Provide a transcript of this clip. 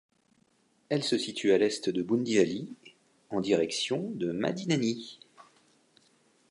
Elle se situe à l'est de Boundiali, en direction de Madinani.